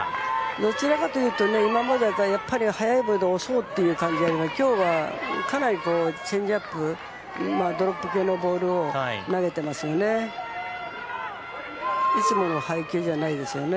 どちらかというと今までは、速いボールで押そうって感じだったのが今日はかなりチェンジアップドロップ系のボールを投げてますよね。